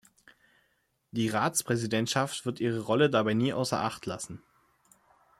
Die Ratspräsidentschaft wird ihre Rolle dabei nie außer Acht lassen.